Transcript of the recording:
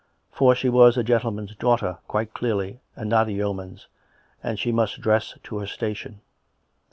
For she was a gentleman's daughter, quite clearly, and not a yeoman's, and she must dress to her station.